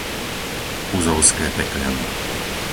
Uzovské Pekľany